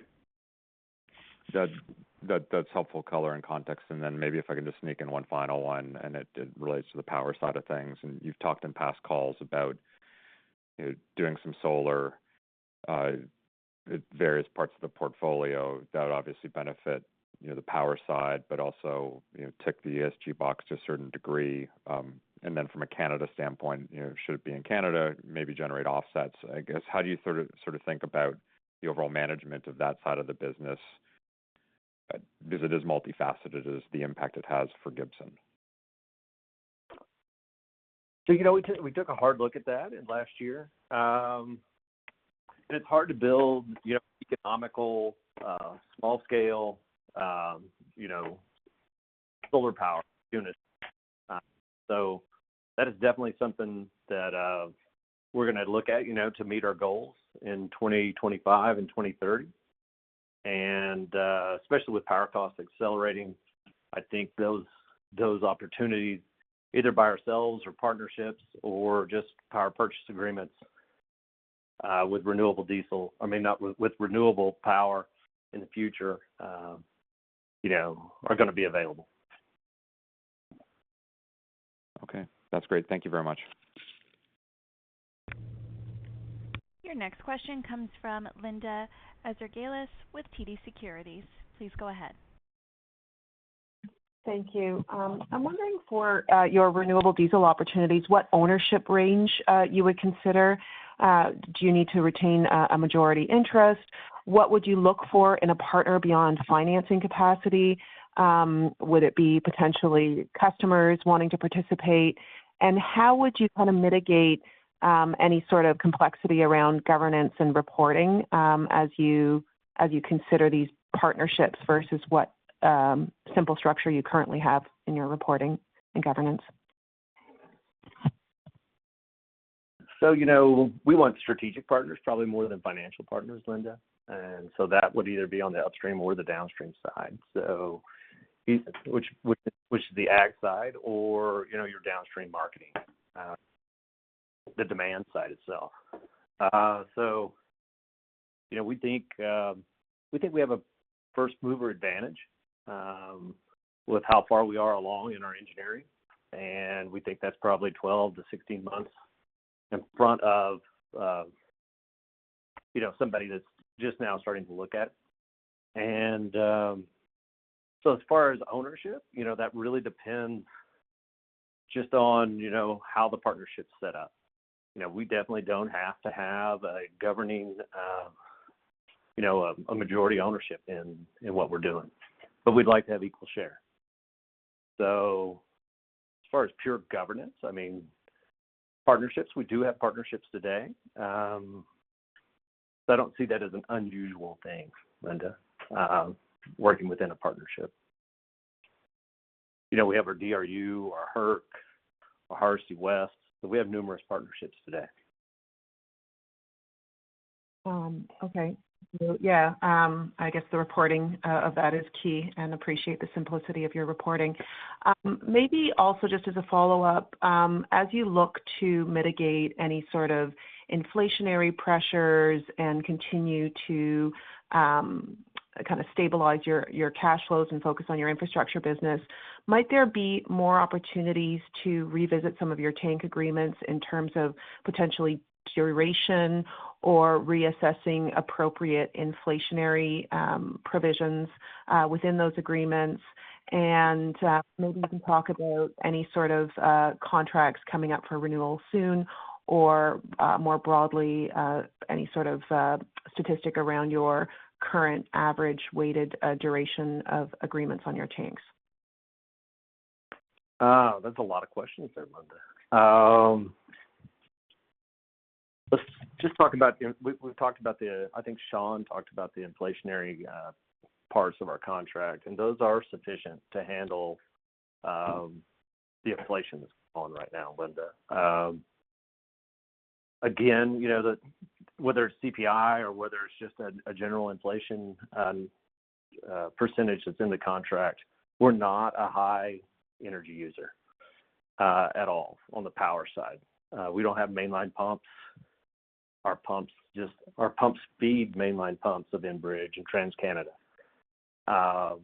That's helpful color and context. Then maybe if I can just sneak in one final one, and it relates to the power side of things. You've talked in past calls about, you know, doing some solar, various parts of the portfolio that would obviously benefit, you know, the power side, but also, you know, tick the ESG box to a certain degree. Then from a Canada standpoint, you know, should it be in Canada, maybe generate offsets. I guess, how do you sort of think about the overall management of that side of the business, because it is multifaceted as the impact it has for Gibson? You know, we took a hard look at that in last year. It's hard to build, you know, economical small scale solar power units. That is definitely something that we're gonna look at, you know, to meet our goals in 2025 and 2030. Especially with power costs accelerating, I think those opportunities, either by ourselves or partnerships or just Power Purchase Agreements with renewable power in the future, you know, are gonna be available. Okay. That's great. Thank you very much. Your next question comes from Linda Ezergailis with TD Securities. Please go ahead. Thank you. I'm wondering for your renewable diesel opportunities, what ownership range you would consider. Do you need to retain a majority interest? What would you look for in a partner beyond financing capacity? Would it be potentially customers wanting to participate? How would you kind of mitigate any sort of complexity around governance and reporting, as you consider these partnerships versus what simple structure you currently have in your reporting and governance? You know, we want strategic partners probably more than financial partners, Linda. That would either be on the upstream or the downstream side. Which is the ag side or, you know, your downstream marketing, the demand side itself. You know, we think we have a first mover advantage with how far we are along in our engineering, and we think that's probably 12-16 months in front of, you know, somebody that's just now starting to look at. As far as ownership, you know, that really depends just on, you know, how the partnership's set up. You know, we definitely don't have to have a governing, you know, a majority ownership in what we're doing, but we'd like to have equal share. As far as pure governance, I mean, partnerships, we do have partnerships today. I don't see that as an unusual thing, Linda, working within a partnership. You know, we have our DRU, our HET, our Hardisty West. We have numerous partnerships today. Okay. Yeah, I guess the reporting of that is key and appreciate the simplicity of your reporting. Maybe also just as a follow-up, as you look to mitigate any sort of inflationary pressures and continue to kind of stabilize your cash flows and focus on your infrastructure business, might there be more opportunities to revisit some of your tank agreements in terms of potentially duration or reassessing appropriate inflationary provisions within those agreements? Maybe you can talk about any sort of contracts coming up for renewal soon or, more broadly, any sort of statistic around your current average weighted duration of agreements on your tanks. That's a lot of questions there, Linda. Let's just talk about the, we've talked about, I think Sean talked about, the inflationary parts of our contract and those are sufficient to handle the inflation that's going on right now, Linda. Again, you know, whether it's CPI or whether it's just a general inflation percentage that's in the contract, we're not a high energy user at all on the power side. We don't have mainline pumps. Our pumps feed mainline pumps of Enbridge and TransCanada.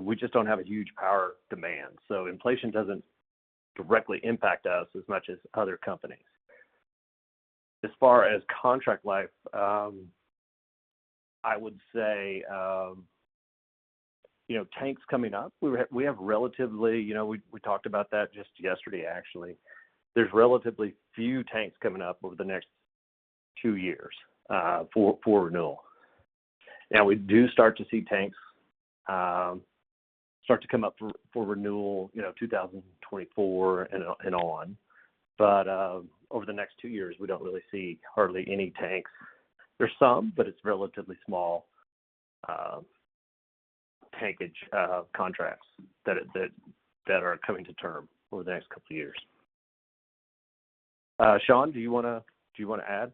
We just don't have a huge power demand, so inflation doesn't directly impact us as much as other companies. As far as contract life, I would say, you know, tanks coming up, we have relatively, you know, we talked about that just yesterday, actually. There's relatively few tanks coming up over the next two years for renewal. Now, we do start to see tanks start to come up for renewal, you know, 2024 and on. Over the next two years, we don't really see hardly any tanks. There's some, but it's relatively small tankage contracts that are coming to term over the next couple years. Sean, do you wanna add?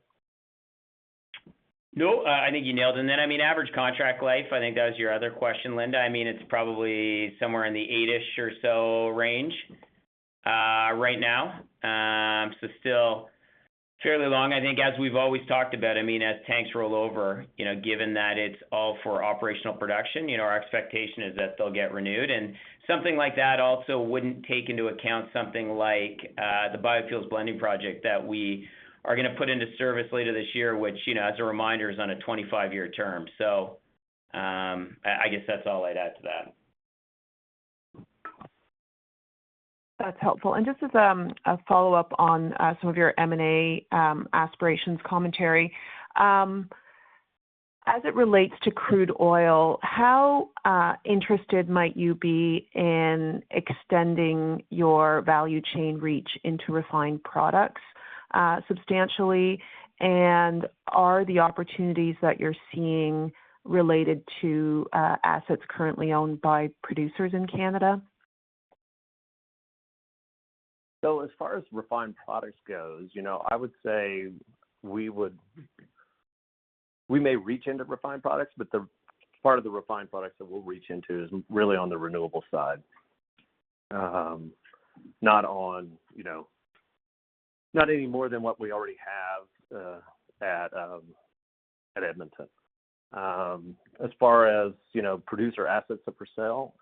No, I think you nailed it. Then, I mean, average contract life, I think that was your other question, Linda. I mean, it's probably somewhere in the eight-ish or so range, right now. Still fairly long. I think as we've always talked about, I mean, as tanks roll over, you know, given that it's all for operational production, you know, our expectation is that they'll get renewed. Something like that also wouldn't take into account something like, the Biofuels Blending Project that we are gonna put into service later this year, which, you know, as a reminder, is on a 25-year term. I guess that's all I'd add to that. That's helpful. Just as a follow-up on some of your M&A aspirations commentary. As it relates to crude oil, how interested might you be in extending your value chain reach into refined products substantially? Are the opportunities that you're seeing related to assets currently owned by producers in Canada? As far as refined products goes, you know, we may reach into refined products, but the part of the refined products that we'll reach into is really on the renewable side. Not on, you know, not any more than what we already have at Edmonton. As far as, you know, producer assets up for sale,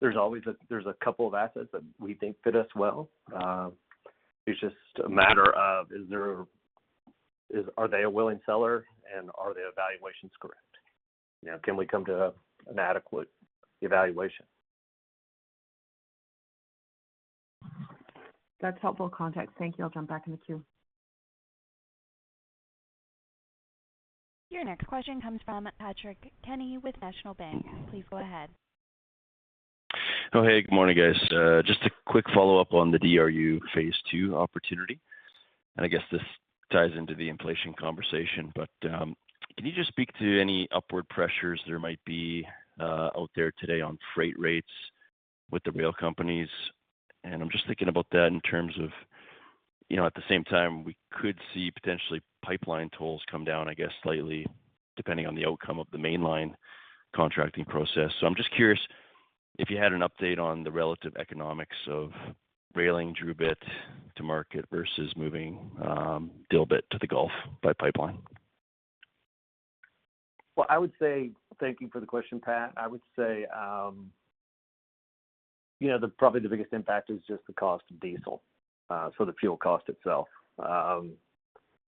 there's always a couple of assets that we think fit us well. It's just a matter of, are they a willing seller, and are their valuations correct? You know, can we come to an adequate valuation? That's helpful context. Thank you. I'll jump back in the queue. Your next question comes from Patrick Kenny with National Bank. Please go ahead. Good morning, guys. Just a quick follow-up on the DRU phase two opportunity, and I guess this ties into the inflation conversation. Can you just speak to any upward pressures there might be out there today on freight rates with the Rail companies? I'm just thinking about that in terms of, you know, at the same time, we could see potentially pipeline tolls come down, I guess, slightly, depending on the outcome of the mainline contracting process. I'm just curious if you had an update on the relative economics of railing DRUbit to market versus moving DilBit to the Gulf by pipeline. Thank you for the question, Pat. I would say, probably the biggest impact is just the cost of diesel, so the fuel cost itself.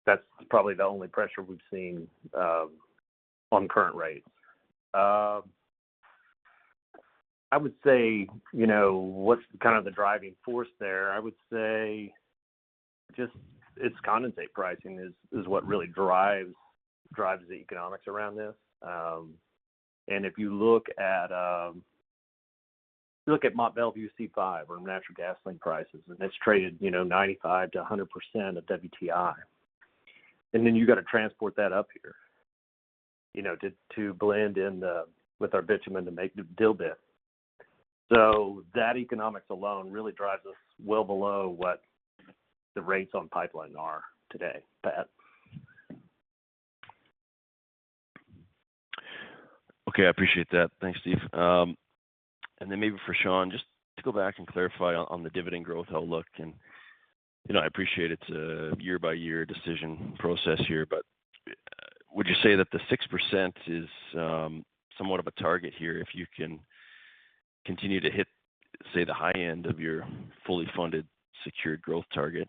That's probably the only pressure we've seen on current rates. I would say, what's kind of the driving force there? I would say just it's condensate pricing is what really drives the economics around this. If you look at Mont Belvieu C5 or Natural Gasoline prices, and it's traded 95%-100% of WTI. Then you've got to transport that up here to blend with our bitumen to make DilBit. That economics alone really drives us well below what the rates on pipeline are today, Pat. Okay. I appreciate that. Thanks, Steve. Maybe for Sean, just to go back and clarify on the dividend growth outlook. You know, I appreciate it's a year-by-year decision process here, but would you say that the 6% is somewhat of a target here if you can continue to hit, say, the high end of your fully funded secured growth target,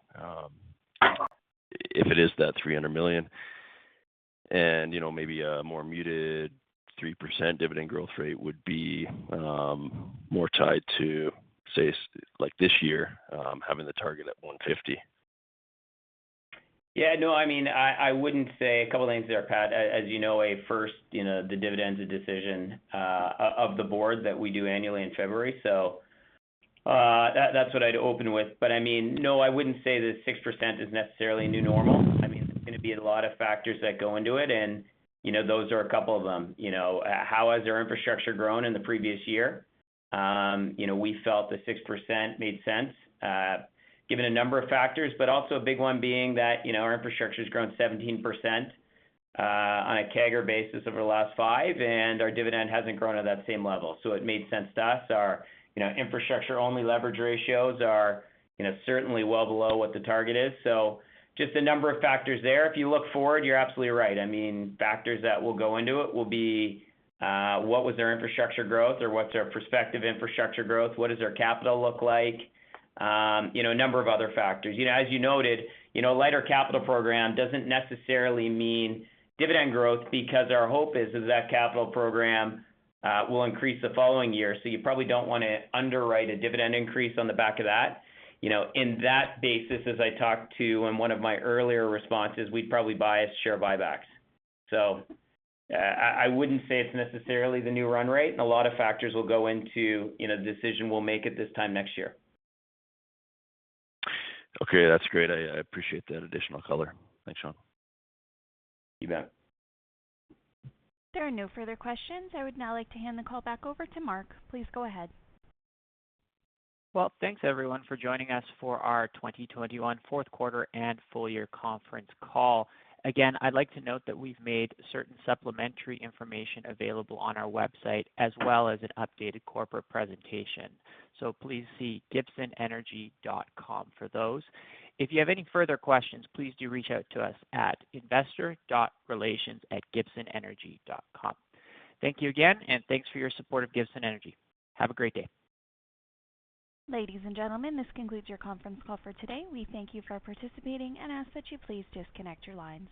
if it is that 300 million? You know, maybe a more muted 3% dividend growth rate would be more tied to, say, like, this year, having the target at 150 million. No, I mean, I wouldn't say. A couple of things there, Pat. As you know, first, you know, the dividend's a decision of the board that we do annually in February. That's what I'd open with. I mean, no, I wouldn't say that 6% is necessarily a new normal. I mean, there's gonna be a lot of factors that go into it and, you know, those are a couple of them. You know, how has their infrastructure grown in the previous year? You know, we felt that 6% made sense, given a number of factors, but also a big one being that, you know, our infrastructure's grown 17%, on a CAGR basis over the last five, and our dividend hasn't grown at that same level. It made sense to us. Our you know infrastructure-only leverage ratios are you know certainly well below what the target is. Just a number of factors there. If you look forward, you're absolutely right. I mean factors that will go into it will be what was their infrastructure growth or what's their prospective infrastructure growth? What does their capital look like? You know a number of other factors. You know as you noted you know a lighter capital program doesn't necessarily mean dividend growth because our hope is that capital program will increase the following year. You probably don't wanna underwrite a dividend increase on the back of that. You know on that basis as I talked to in one of my earlier responses we'd probably do share buybacks. I wouldn't say it's necessarily the new run rate, and a lot of factors will go into, you know, the decision we'll make at this time next year. Okay, that's great. I appreciate that additional color. Thanks, Sean. You bet. There are no further questions. I would now like to hand the call back over to Mark. Please go ahead. Well, thanks everyone for joining us for our 2021 fourth quarter and full year conference call. Again, I'd like to note that we've made certain supplementary information available on our website as well as an updated corporate presentation. Please see gibsonenergy.com for those. If you have any further questions, please do reach out to us at investor.relations@gibsonenergy.com. Thank you again, and thanks for your support of Gibson Energy. Have a great day. Ladies and gentlemen, this concludes your conference call for today. We thank you for participating and ask that you please disconnect your lines.